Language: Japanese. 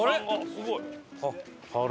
すごい。